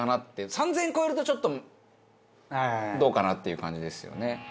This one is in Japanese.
３０００円超えるとちょっとどうかなっていう感じですよね。